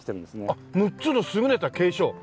あっ六つの優れた景勝！